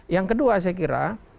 yang kedua saya kira